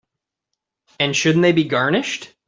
And shouldn't they be garnished?